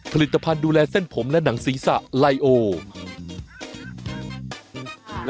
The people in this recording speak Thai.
หลายคนติดตามมุมกล้องใหม่พี่โดม